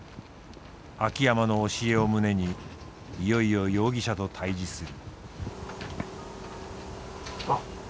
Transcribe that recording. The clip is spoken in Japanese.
秋山の教えを胸にいよいよ容疑者と対峙する。